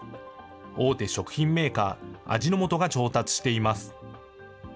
大手食品メーカー、味の素が調達しています。